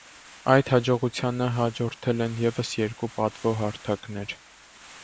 Այդ հաջողությանը հաջորդել են ևս երկու պատվո հարթակներ։